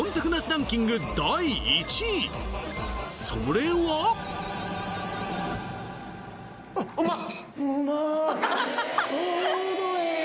ランキング第１位それはあっうまっ！